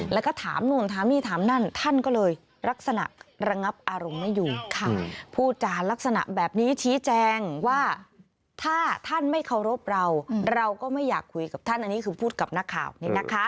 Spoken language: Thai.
แล้วก็ถามนู่นถามนี่ถามนั่น